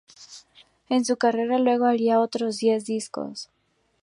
En su carrera luego haría otros diez discos.